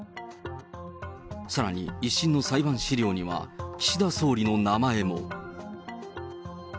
さらに１審の裁判資料には、岸田総理の名前も。